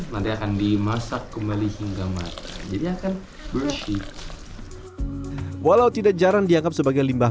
nanti akan dimasak kembali hingga mata jadi akan bersih walau tidak jarang dianggap sebagai limbah